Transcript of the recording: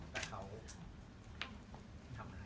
แต่เขาทำอะไร